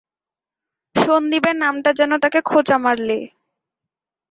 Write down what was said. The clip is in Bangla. সন্দীপের নামটা যেন তাকে খোঁচা মারলে।